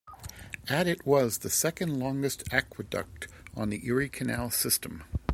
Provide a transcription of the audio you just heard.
At it was the second-longest aqueduct on the Erie Canal system.